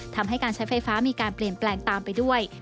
ทำให้การใช้ไฟฟ้ามีการเปลี่ยนแปลงตามไปด้วย